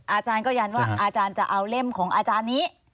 อาจารย์ก็ยันว่าอาจารย์จะเอาเล่มของอาจารย์นี้